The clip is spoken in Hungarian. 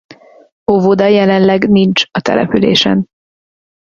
Óvoda jelenleg nincs a településen.